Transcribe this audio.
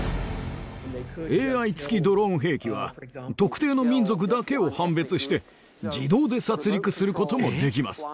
ＡＩつきドローン兵器は、特定の民族だけを判別して、自動で殺りくすることもできます。